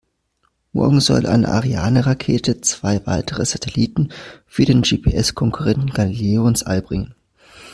Morgen soll eine Ariane-Rakete zwei weitere Satelliten für den GPS-Konkurrenten Galileo ins All bringen.